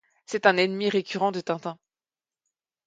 C'est un ennemi récurrent de Tintin.